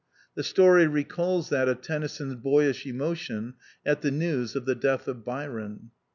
The story recalls that of Tennyson's boyish emotion at the news of the death of Byron.